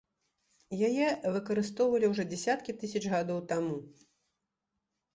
Яе выкарыстоўвалі ўжо дзясяткі тысяч гадоў таму.